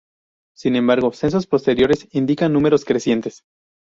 Sin embargo, censos posteriores indican números crecientes.